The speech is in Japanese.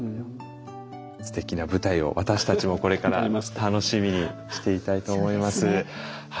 すてきな舞台を私たちもこれから楽しみにしていたいと思います。